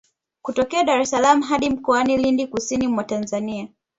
Kutokea Dar es salaam hadi mkoani Lindi kusini mwa Tanzania